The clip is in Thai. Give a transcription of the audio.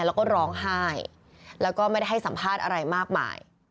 แล้วก็ร้องไห้แล้วก็ไม่ได้ให้สัมภาษณ์อะไรมากมาย